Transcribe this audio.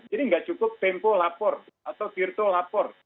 jadi gak cukup tempo lapor atau virtu lapor